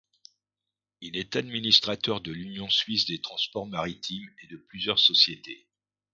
Il est administrateur de l'Union suisse des transports maritimes et de plusieurs sociétés.